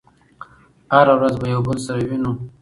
هره ورځ به يو بل سره وينو